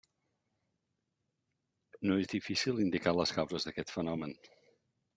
No és difícil indicar les causes d'aquest fenomen.